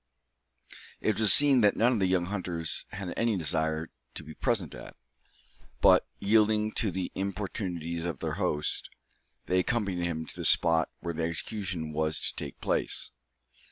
It was a scene that none of the young hunters had any desire to be present at; but, yielding to the importunities of their host, they accompanied him to the spot where the execution was to take place.